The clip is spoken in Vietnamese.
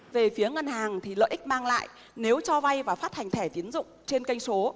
về phía ngân hàng thì lợi ích mang lại nếu cho vay và phát hành thẻ tiến dụng trên kênh số